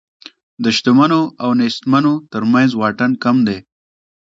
د شتمنو او نېستمنو تر منځ واټن کم دی.